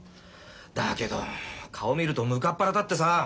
だけど顔見るとムカッ腹立ってさ。